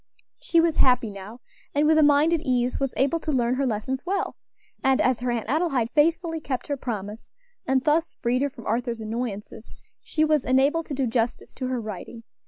She was happy now, and with a mind at ease, was able to learn her lessons well; and as her Aunt Adelaide faithfully kept her promise, and thus freed her from Arthur's annoyances, she was enabled to do justice to her writing.